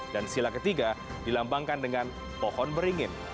dan sila ketiga dilambangkan dengan pohon beringin